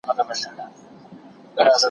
د پرمختګ زمینه برابرول د کورنۍ د پلار دنده ده.